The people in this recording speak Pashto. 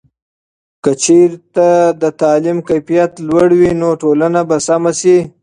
که چېرته د تعلیم کیفیت لوړ وي، نو ټولنه به سمه سي.